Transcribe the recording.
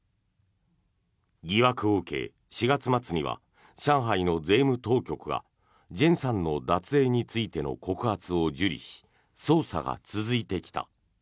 疑惑を受け４月末には上海の税務当局がジェンさんの脱税についての告発を受理し捜査が続いてきた。